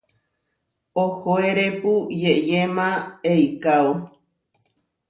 Ohóerepu yeʼyéma eikáo.